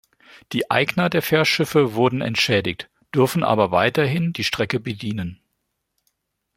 Die Eigner der Fährschiffe wurden entschädigt, dürfen aber weiterhin die Strecke bedienen.